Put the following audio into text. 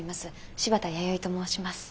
柴田弥生と申します。